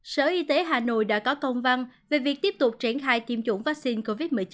sở y tế hà nội đã có công văn về việc tiếp tục triển khai tiêm chủng vaccine covid một mươi chín